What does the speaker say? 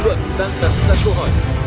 dư luận đang đặt ra câu hỏi